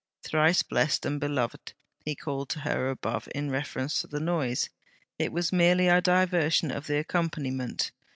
"Thrice blessed and beloved!" he called to her above, in reference to the noise, "it was merely a diversion of the accompaniment."